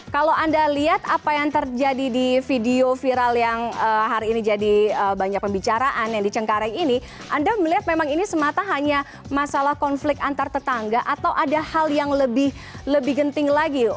kalau anda lihat apa yang terjadi di video viral yang hari ini jadi banyak pembicaraan yang di cengkareng ini anda melihat memang ini semata hanya masalah konflik antar tetangga atau ada hal yang lebih genting lagi yuk